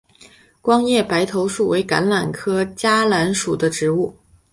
光叶白头树为橄榄科嘉榄属的植物。